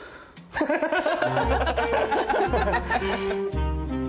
アハハハ！